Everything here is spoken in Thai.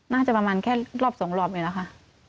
น่าจะประมาณแค่รอบสองรอบอยู่แล้วค่ะ